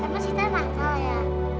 karena si tante mahkal ya